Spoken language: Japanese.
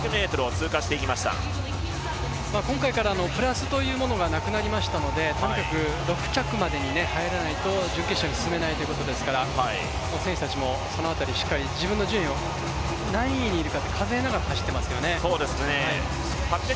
今回からプラスというものがなくなりましたので、とにかく６着までに入らないと準決勝に進めないということですから、選手たちもその辺り、しっかり自分の順位を何位にいるか数えながら走っていますよね。